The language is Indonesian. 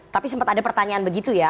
tapi sempat ada pertanyaan begitu ya